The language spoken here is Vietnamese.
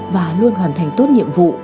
và luôn hoàn thành tốt nhiệm vụ